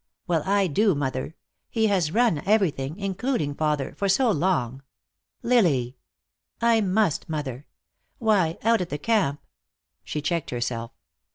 Well, I do, mother. He has run everything, including father, for so long " "Lily!" "I must, mother. Why, out at the camp " She checked herself.